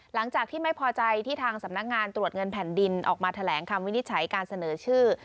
หลังจากที่ไม่พอใจที่ทางสำนักงานตรวจเงินแผ่นดินออกมาแถลงคำวินิจฉัยการเสนอชื่อ